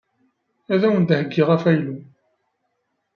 Ad awen-d-heyyiɣ afaylu.